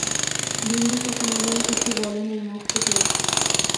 বিন্দু তো কোনোদিন কিছু বলে নাই মুখ ফুটিয়া।